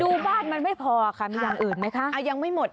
ดูบ้านมันไม่พอค่ะมีอย่างอื่นไหมคะ